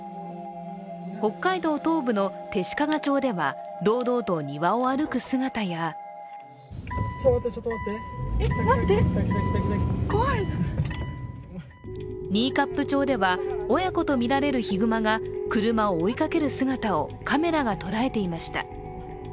北海道東部の弟子屈町では堂々と庭を歩く姿や新冠町では親子とみられるヒグマが車を追いかける姿をカメラが捉えていました。